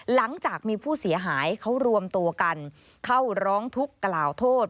หลังจากมีผู้เสียหายเขารวมตัวกันเข้าร้องทุกข์กล่าวโทษ